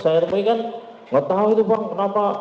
saya temui kan gak tau itu bang kenapa